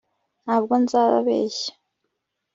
ntabwo nzabeshya